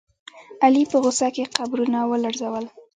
علي په غوسه کې قبرونه ولړزول.